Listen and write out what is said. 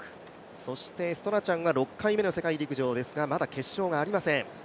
そしてストラチャンが６回目の世界陸上ですがまだ決勝がありません。